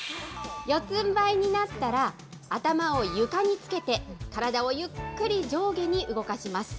四つんばいになったら、頭を床につけて、体をゆっくり上下に動かします。